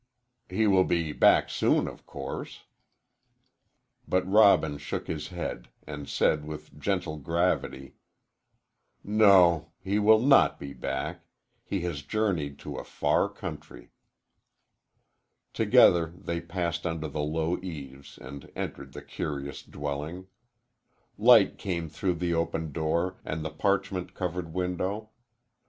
"He will be back soon, of course." But Robin shook his head, and said with gentle gravity: "No, he will not be back. He has journeyed to a far country." Together they passed under the low eaves and entered the curious dwelling. Light came through the open door and the parchment covered window.